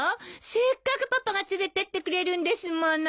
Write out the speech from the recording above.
せっかくパパが連れてってくれるんですもの。